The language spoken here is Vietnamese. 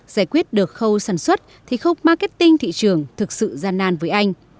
giải quyết được khâu sản xuất thì không marketing thị trường thực sự gian nan với anh